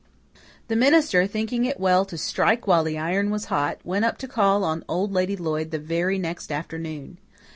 The minister, thinking it well to strike while the iron was hot, went up to call on Old Lady Lloyd the very next afternoon.